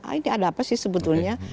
ini ada apa sih sebetulnya